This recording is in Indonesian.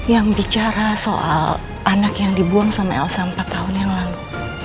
yang bicara soal anak yang dibuang sama elsa empat tahun yang lalu